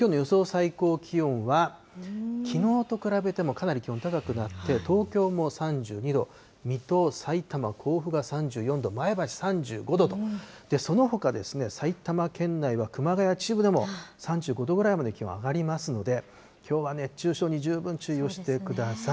最高気温は、きのうと比べてもかなり気温高くなって、東京も３２度、水戸、さいたま、甲府が３４度、前橋３５度と、そのほか埼玉県内は熊谷、秩父でも３５度ぐらいまで気温上がりますので、きょうは熱中症に十分注意をしてください。